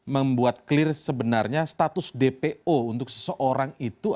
membuat clear sebenarnya status dpo untuk seseorang itu